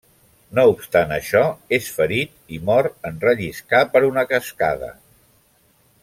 No obstant això, és ferit i mor en relliscar per una cascada.